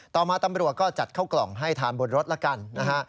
ต่อมาตำรวจก็จัดเข้ากล่องให้ทานบนรถละกันนะฮะ